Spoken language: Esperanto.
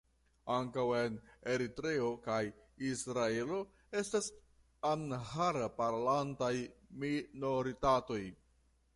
Ankaŭ en Eritreo kaj Israelo estas amhara-parolantaj minoritatoj.